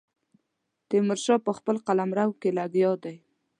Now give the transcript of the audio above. تیمور شاه په خپل قلمرو کې لګیا دی.